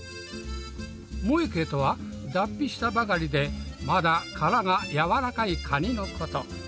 モエケとは脱皮したばかりでまだ殻が軟らかいカニのこと。